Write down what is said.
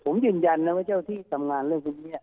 ผมยืนยันนะว่าเจ้าที่ทำงานเรื่องพวกนี้